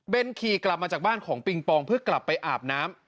เป็นขี่กลับมาจากบ้านของปิงปองเพื่อกลับไปอาบน้ำ